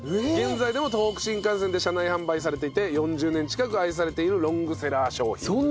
現在でも東北新幹線で車内販売されていて４０年近く愛されているロングセラー商品と。